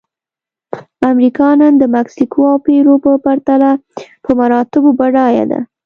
امریکا نن د مکسیکو او پیرو په پرتله په مراتبو بډایه ده.